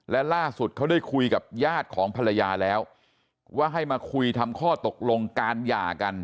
และล่าสุดเขาได้คุยกับญาติของภรรยาแล้วว่าให้มาคุยทำข้อตกลงการหย่ากัน